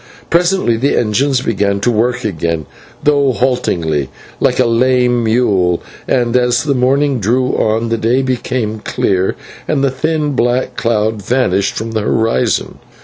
Presently the engines began to work again, though haltingly, like a lame mule, and as the morning drew on the day became clear and the thin black cloud vanished from the horizon.